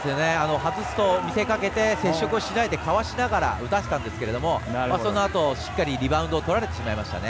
外すと見せかけて接触をしないでかわして打たせたんですけどもそのあと、しっかり、リバウンドとられてしまいましたね。